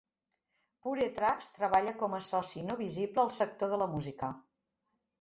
Puretracks treballa com a soci no visible al sector de la música.